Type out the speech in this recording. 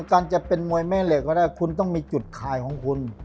การจะเป็นมวยแม่เหล็กก็ได้คุณต้องมีจุดขายของคุณ